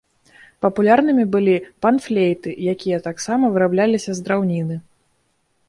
Папулярнымі былі пан-флейты, якія таксама вырабляліся з драўніны.